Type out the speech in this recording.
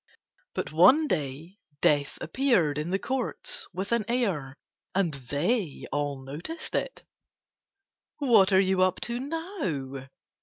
But one day Death appeared in the courts with an air and They all noticed it. "What are you up to now?"